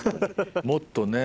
もっとね